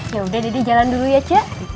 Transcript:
ya udah dede jalan dulu ya c